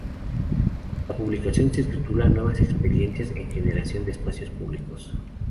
La publicación se titula "Nuevas experiencias en generación de espacios públicos".